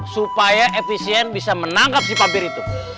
supaya efisien bisa menangkap si pabir itu